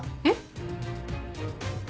えっ？